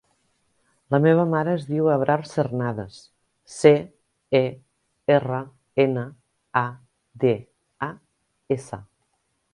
La meva mare es diu Abrar Cernadas: ce, e, erra, ena, a, de, a, essa.